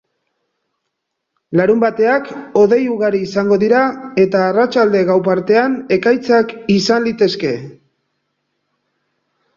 Larunbateak hodei ugari izango dira, eta arratsalde-gau partean ekaitzak izan litezke.